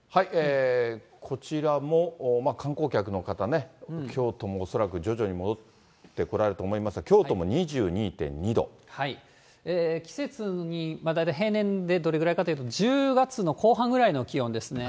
こちらも観光客の方ね、京都も恐らく徐々に戻ってこられると思いますが、京都も２２．２季節に、大体平年でどれぐらいかというと、１０月の後半ぐらいの気温ですね。